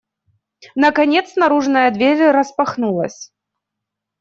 Наконец наружная дверь распахнулась.